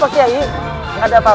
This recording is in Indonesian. pak kiai tenang aja disana ya